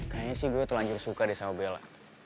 kayaknya sih gue telanjur suka deh sama bela